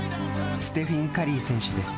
ステフィン・カリー選手です。